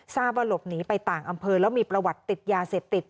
ทราบว่าหลบหนีไปต่างอำเภอแล้วมีประวัติติดยาเสพติด